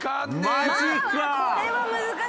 マジか！